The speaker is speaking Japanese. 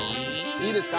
いいですか？